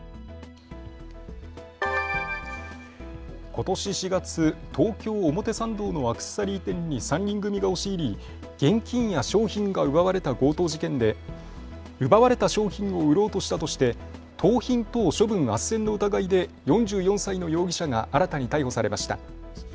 ことし４月、東京表参道のアクセサリー店に３人組が押し入り現金や商品が奪われた強盗事件で奪われた商品を売ろうとしたとして盗品等処分あっせんの疑いで４４歳の容疑者が新たに逮捕されました。